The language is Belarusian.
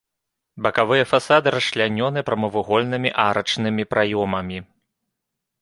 Бакавыя фасады расчлянёны прамавугольнымі арачнымі праёмамі.